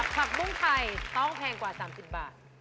ผักบุ้งไทยต้องแพงกว่า๓๐บาท